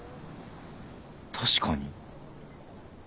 確かに。